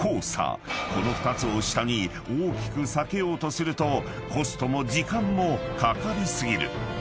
［この２つを下に大きく避けようとするとコストも時間もかかり過ぎる］